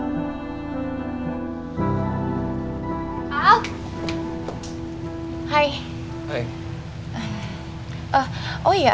sampai pada saat sehat